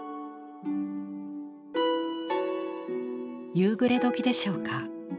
夕暮れ時でしょうか？